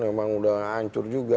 memang sudah hancur juga